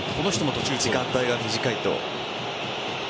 時間帯が短いと。